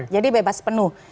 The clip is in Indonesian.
jadi bebas penuh